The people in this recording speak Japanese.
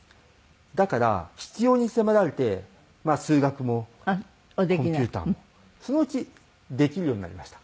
だから必要に迫られて数学もコンピューターもそのうちできるようになりました。